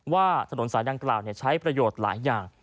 ว่าถนนสายดังกล่าวใช้ประโยชน์หลายอย่าง